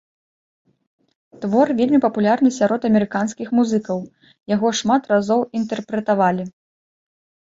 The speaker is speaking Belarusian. Твор вельмі папулярны сярод амерыканскіх музыкаў, яго шмат разоў інтэрпрэтавалі.